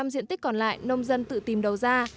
một trăm linh diện tích còn lại nông dân tự tìm đầu ra